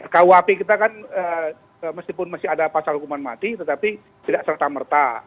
kuap kita kan meskipun masih ada pasal hukuman mati tetapi tidak serta merta